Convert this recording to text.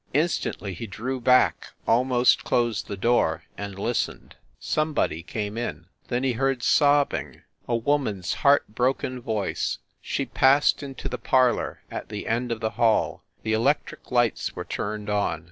Instantly he drew back, almost closed the door, and listened. Somebody came in. Then he heard sobbing a woman s heart broken 122 FIND THE WOMAN voice. She passed into the parlor, at the end of the hall; the electric lights were turned on.